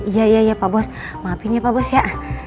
iya iya iya pak bos maapin ya pak bos ya